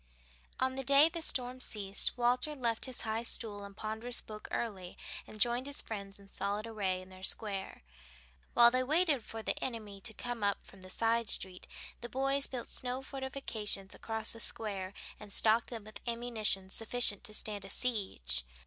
On the day the storm ceased Walter left his high stool and ponderous book early and joined his friends in solid array in their square. While they waited for the enemy to come up from the side street, the boys built snow fortifications across the Square and stocked them with ammunition sufficient to stand a siege.